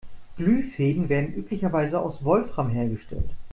Glühfäden werden üblicherweise aus Wolfram hergestellt.